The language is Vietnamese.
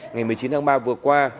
ngày một mươi chín tháng ba vừa qua